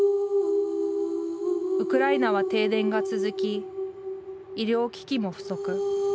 ウクライナは停電が続き医療機器も不足。